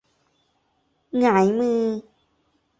หงายมือ